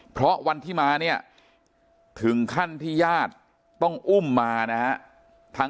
เพราะวันที่มาเนี่ยถึงขั้นที่ญาติต้องอุ้มมานะฮะ